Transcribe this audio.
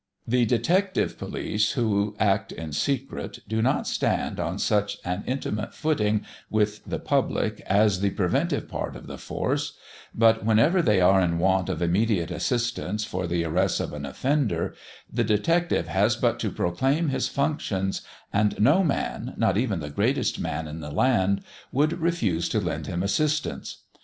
The detective police, who act in secret, do not stand on such an intimate footing with the public as the preventive part of the force; but whenever they are in want of immediate assistance for the arrest of an offender, the detective has but to proclaim his functions, and no man, not even the greatest man in the land, would refuse to lend him assistance.